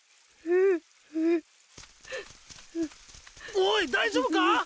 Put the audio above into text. おい大丈夫か！？